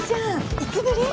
いつぶり？